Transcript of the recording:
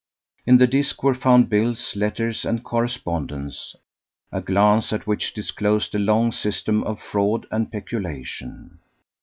In the desk were found bills, letters, and correspondence, a glance at which disclosed a long system of fraud and peculation.